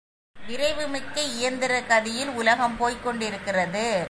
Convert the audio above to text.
விரைவு மிக்க இயந்திர கதியில் உலகம் போய்க் கொண்டிருக்கிறது.